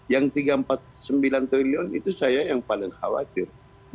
yang tiga ratus empat puluh sembilan triliun itu saya yang paling khawatir